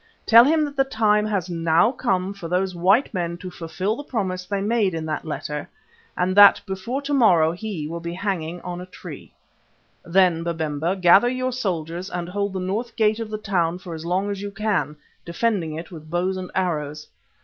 Tell him that the time has now come for those white men to fulfil the promise they made in that letter and that before to morrow he will be hanging on a tree. Then, Babemba, gather your soldiers and hold the north gate of the town for as long as you can, defending it with bows and arrows.